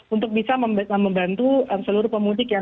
untuk bisa membantu seluruh pelabuhan